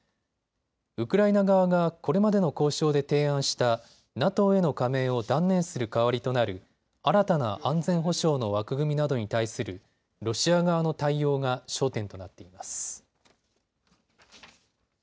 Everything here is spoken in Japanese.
ウクライナ側がこれまでの交渉で提案したＮＡＴＯへの加盟を断念する代わりとなる新たな安全保障の枠組みなどに対するロシア側の対応が焦点となっています。